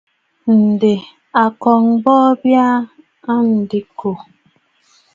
Ǹdè a kɔ̀ŋə̀ bɔɔ bya aa diŋkò.